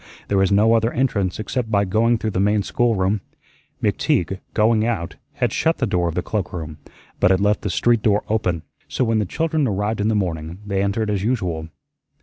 There was no other entrance except by going through the main schoolroom. McTeague going out had shut the door of the cloakroom, but had left the street door open; so when the children arrived in the morning, they entered as usual.